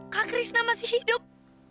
kak krisna masih hidup